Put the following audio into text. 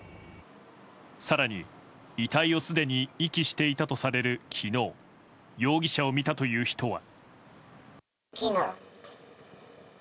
更に、遺体をすでに遺棄していたとされる昨日容疑者を見たという人は。